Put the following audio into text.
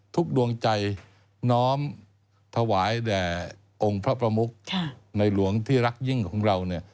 ดวงใจน้อมถวายแด่องค์พระประมุกในหลวงที่รักยิ่งของเราเนี่ย